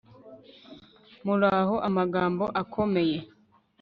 muraho amagambo akomeye